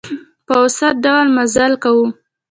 په اوسط ډول مزل کاوه.